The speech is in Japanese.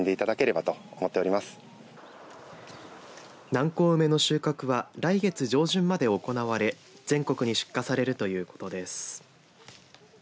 南高梅の収穫は来月上旬まで行われ全国に出荷されるということです。